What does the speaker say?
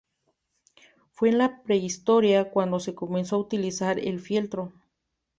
Fue en la Prehistoria cuando se comenzó a utilizar el fieltro.